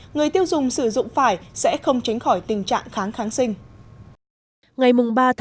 người tiêu dùng sử dụng phải sẽ không tránh khỏi tình trạng kháng kháng sinh